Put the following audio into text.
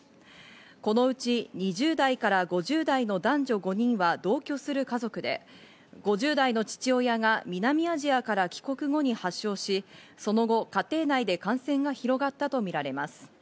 このうち２０代から５０代の男女５人は同居する家族で、５０代の父親が南アジアから帰国後に発症し、その後、家庭内で感染が広がったとみられます。